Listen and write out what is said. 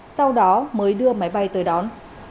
sau đó mới đưa máy bay tới đón